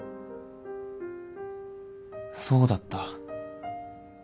そうだった